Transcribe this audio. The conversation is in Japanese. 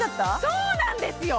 そうなんですよ！